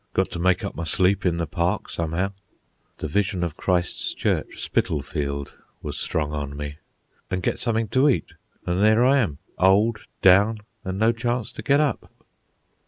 Got to make up my sleep in the park somehow" (the vision of Christ's Church, Spitalfield, was strong on me) "an' get something to eat. An' there I am! Old, down, an' no chance to get up."